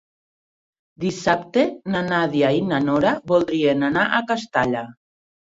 Dissabte na Nàdia i na Nora voldrien anar a Castalla.